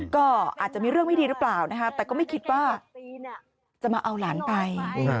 ก็อาจจะมีเรื่องไม่ดีหรือเปล่านะคะแต่ก็ไม่คิดว่าจะมาเอาหลานไป